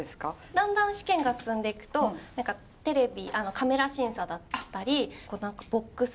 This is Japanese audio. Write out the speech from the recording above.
だんだん試験が進んでいくとテレビカメラ審査だったりボックス